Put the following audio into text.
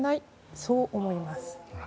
そう思います。